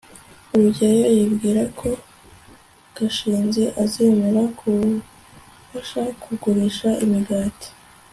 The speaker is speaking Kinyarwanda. rugeyo yibwira ko gashinzi azemera gufasha kugurisha imigati